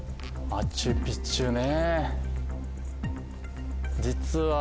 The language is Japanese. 「マチュ・ピチュ」ね。